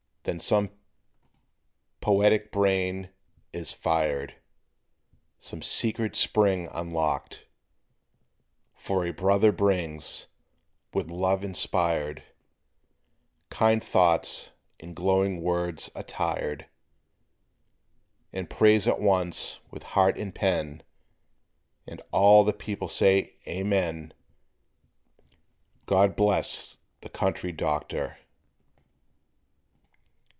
Then some poetic brain is fired, Some secret spring unlocked, for A brother brings, with love inspired, Kind thoughts in glowing words attired, And prays at once with heart and pen And all the people say Amen "God bless the Country Doctor."